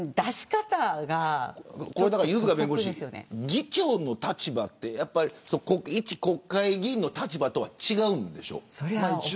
犬塚弁護士、議長の立場はいち国会議員の立場とは違うんでしょ。